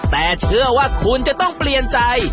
แต่เชื่อว่าคุณจะต้องเปลี่ยนใจ